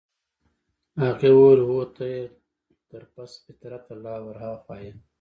هغې وویل: هو ته يې، ته تر پست فطرته لا ورهاخوا يې.